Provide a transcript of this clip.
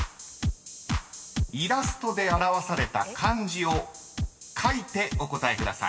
［イラストで表された漢字を書いてお答えください］